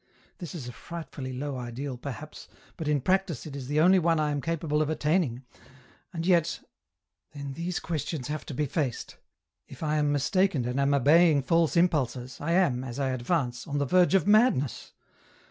This is a frightfully low ideal, perhaps, but in practice it is the only one I am capable of attaining, and yet !'* Then these questions have to be faced ! If I am mis taken and am obeying false impulses, I am, as I advance, on the verge of madness.